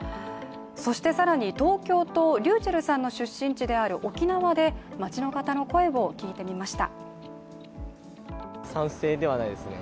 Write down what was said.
そして更に東京と、ｒｙｕｃｈｅｌｌさんの出身地である沖縄で街の方の声を聞いてみました。